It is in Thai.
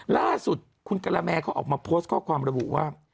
ล่าสุดคุณกะละแมเขาออกมาโพสต์ข้อความระบุว่า